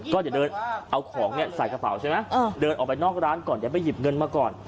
ก็จะเดินเอาของเนี่ยใส่กระเป๋าใช่ไหมเออเดินออกไปนอกร้านก่อนจะไปหยิบเงินมาก่อน